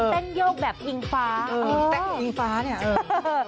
ตั้งโยกแบบอิงฟ้าเออเออตั้งแบบอิงฟ้าเนี่ยเออเออเออ